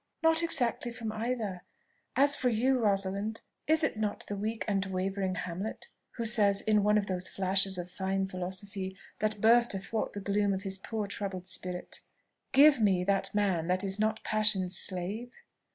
"Not exactly from either. As for you, Rosalind, is it not the weak and wavering Hamlet who says, in one of those flashes of fine philosophy that burst athwart the gloom of his poor troubled spirit, 'Give me that man that is not passion's slave?'